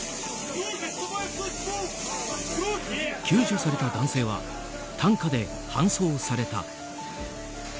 救助された男性は担架で搬送された。